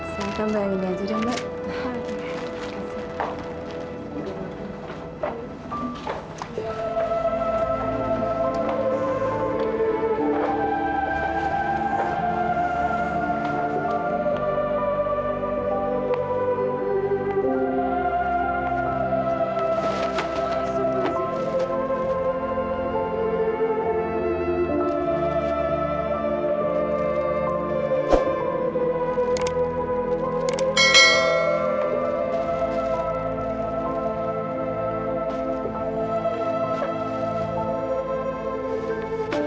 saya tambahin aja mbak